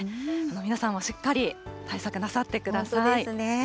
皆さんもしっかり対策なさってく本当ですね。